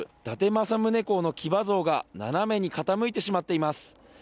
伊達政宗公の騎馬像が斜めに傾いてしまっています。